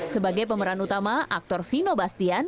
sebagai pemeran utama aktor vino bastian